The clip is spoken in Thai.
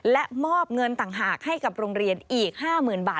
และมอบเงินต่างหากให้กับโรงเรียนอีก๕๐๐๐บาท